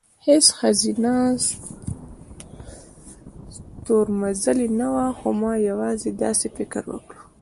هېڅ ښځینه ستورمزلې نه وه، خو ما یوازې داسې فکر وکړ،